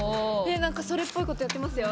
なんかそれっぽいことやってますよ。